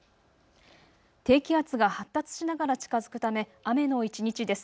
低気圧が発達しながら近づくため雨の一日です。